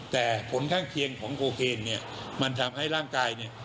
แต่ผลข้างเคียงของโคเคนเนี่ยมันทำให้ร่างกายเนี่ย